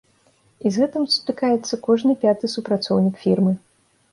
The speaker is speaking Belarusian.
І з гэтым сутыкаецца кожны пяты супрацоўнік фірмы.